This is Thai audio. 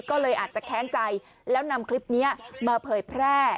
ก็เลยอาจจะแค้นใจแล้วนำคลิปนี้มาเผยแพร่